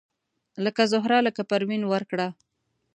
لکه زهره لکه پروین ورکړه